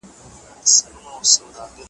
ستا سي کلی شپو خوړلی ,